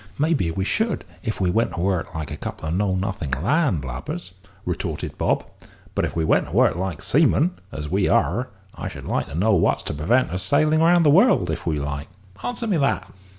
"Maybe we should, if we went to work like a couple of know nothing land lubbers," retorted Bob; "but if we went to work like seamen, as we are, I should like to know what's to purvent our sailing round the world if we like! Answer me that."